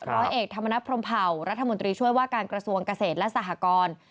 ร้อยเอกธรรมนัฐพรมเผารัฐมนตรีช่วยว่าการกระทรวงเกษตรและสหกร